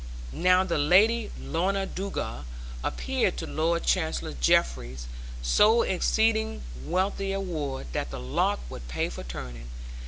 Now the Lady Lorna Dugal appeared to Lord Chancellor Jeffreys so exceeding wealthy a ward that the lock would pay for turning.